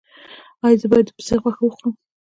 ایا زه باید د پسې غوښه وخورم؟